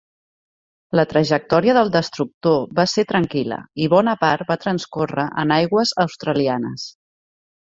La trajectòria del destructor va ser tranquil·la i bona part va transcórrer en aigües australianes.